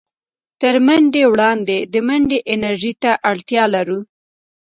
تر منډې وړاندې د منډې انرژۍ ته اړتيا لرو.